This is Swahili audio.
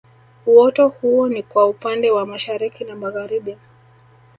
Uoto huo ni kwa upande wa Mashariki na Magharibi